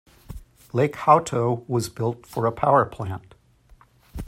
Lake Hauto was built for a power plant.